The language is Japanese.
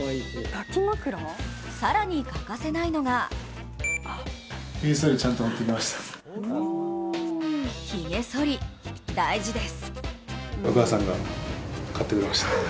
更に欠かせないのがひげそり、大事です。